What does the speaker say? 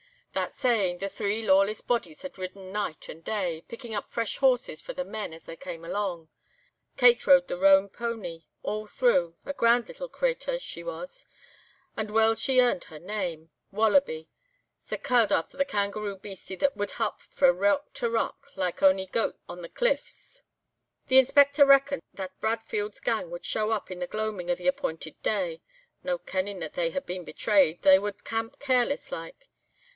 "That's sayin' the three Lawless bodies had ridden night and day—picking up fresh horses for the men, as they came along. Kate rode the roan pony mare all through, a grand little crater she was, and weel she earned her name 'Wallaby,' sae ca'ed after the kangaroo beastie that wad hop frae rock to rock, like ony goat o' the cliffs. "The Inspector reckoned that Bradfield's gang wad show up in the gloaming o' the appointed day. No kenning that they had been betrayed, they wad camp careless like.